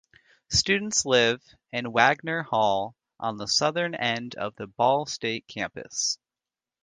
Students live in Wagoner Hall on the southern end of the Ball State campus.